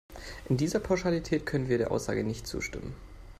In dieser Pauschalität können wir der Aussage nicht zustimmen.